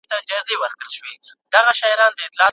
استازي به له ډېرې مودې راهيسې پر ملي بوديجه بحثونه کوي.